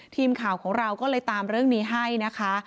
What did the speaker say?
ทีมข่าวของเราก็เลยตามเรื่องนี้ให้นะคะ